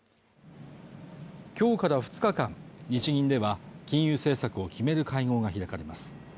今日から２日間日銀では金融政策を決める会合が開かれます